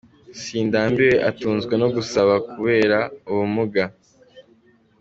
Sindambiwe atunzwe no gusaba kubera ubumuga.